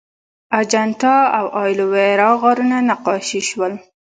اجنتا او ایلورا غارونه نقاشي شول.